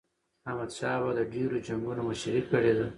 احمد شاه بابا د ډیرو جنګونو مشري کړې ده.